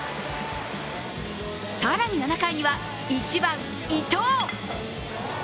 更に７回には１番・伊藤。